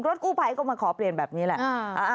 กู้ภัยก็มาขอเปลี่ยนแบบนี้แหละ